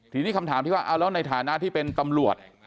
ทีนี้คำถามที่ว่าเอาแล้วในฐานะที่เป็นตำรวจ